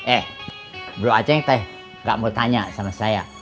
eh bro aceng tidak mau bertanya kepada saya